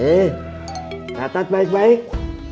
eh catat baik baik